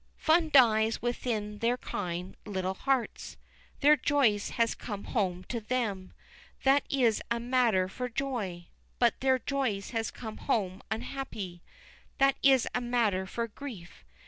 Fun dies within their kind little hearts. Their Joyce has come home to them that is a matter for joy, but their Joyce has come home unhappy that is a matter for grief.